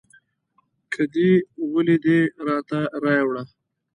که دې ولیدی راته رایې وړه